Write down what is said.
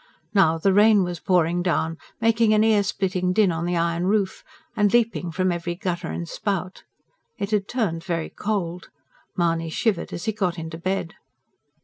Now, the rain was pouring down, making an ear splitting din on the iron roof and leaping from every gutter and spout. It had turned very cold. Mahony shivered as he got into bed.